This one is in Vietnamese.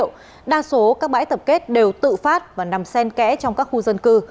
trong bãi tập kết phế liệu đa số các bãi tập kết đều tự phát và nằm sen kẽ trong các khu dân cư